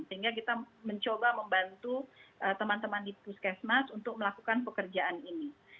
sehingga kita mencoba membantu teman teman di puskesmas untuk melakukan pekerjaan ini